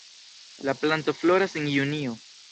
La planto floras en junio.